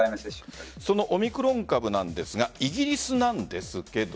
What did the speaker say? そのオミクロン株なんですがイギリスなんですが。